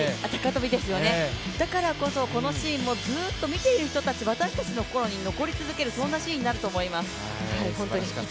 だからこそ、このシーンもずっと見ている人たち、私たちの心に残り続けるそんなシーンになると思います。